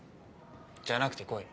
じゃなくて恋